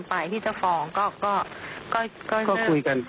ฝ่ายที่จะฟ้องก็คุยกันไป